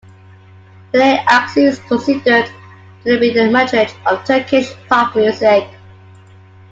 Today Aksu is considered to be the matriarch of Turkish pop music.